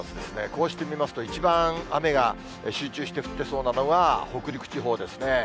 こうして見ますと、一番雨が集中して降ってそうなのが、北陸地方ですね。